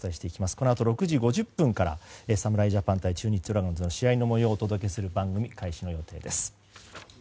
このあと６時５０分から侍ジャパン対中日ドラゴンズの試合をお伝えする番組の開始の予定です。